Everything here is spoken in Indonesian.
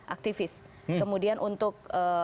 aktivis kemudian untuk